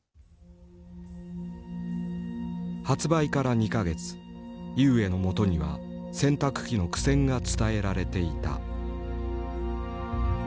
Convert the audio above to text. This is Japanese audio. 発売から２か月井植のもとには洗濯機の苦戦が伝えられていた。